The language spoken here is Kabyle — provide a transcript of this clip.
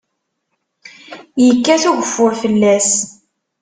Yekkat ugeffur fell-as.